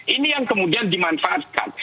ini yang kemudian dimanfaatkan